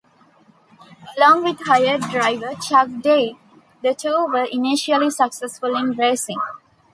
Along with hired driver Chuck Daigh, the two were initially successful in racing.